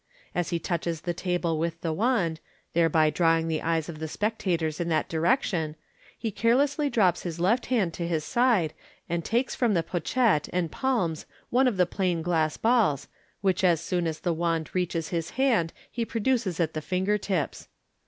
1' As he touches the table with the wand, thereby drawing the eyes of the spectators in that direction, he carelessly drops his left hand to his side, and takes from the pochette and palms one of the plain glass balls, which as soon as the wand reaches his hand he produces at the finger tips.